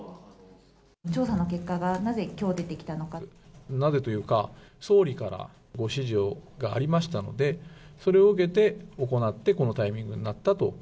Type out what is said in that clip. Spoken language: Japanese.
調査の結果がなぜきょう出てなぜというか、総理からご指示がありましたので、それを受けて行って、このタイミングになったと。